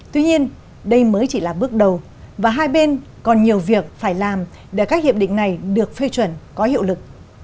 tuy nhiên đây mới chỉ là bước đầu và hai bên còn nhiều việc phải làm để các hiệp định này được phê chuẩn có hiệu lực